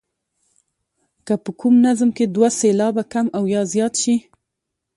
که په کوم نظم کې دوه سېلابه کم او یا زیات شي.